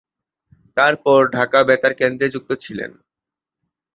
তারপর ঢাকা বেতার কেন্দ্রে যুক্ত ছিলেন।